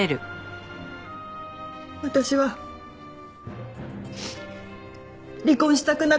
私は離婚したくなかったんです。